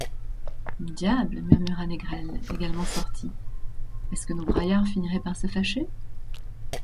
Diable! murmura Négrel, également sorti, est-ce que nos braillards finiraient par se fâcher?